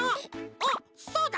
おっそうだ！